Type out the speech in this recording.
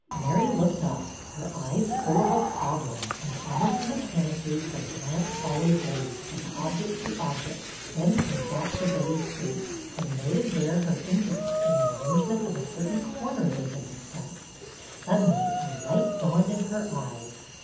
Mary looked up, her eyes full of a problem, and almost mechanically her glance followed Betty's from object to ob ject, then came back to Betty's face, and noted there her interest in the arrangement of a cer tain corner they had discussed. Suddenly a light dawned in her eyes.